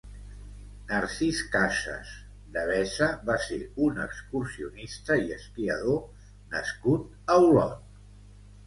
Narcís Casas Devesa va ser un excursionista i esquiador nascut a Olot.